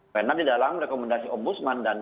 karena di dalam rekomendasi ombudsman dan